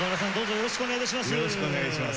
よろしくお願いします。